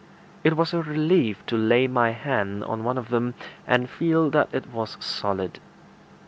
It was a relief to lay my hand on one of them, and feel that it was solid.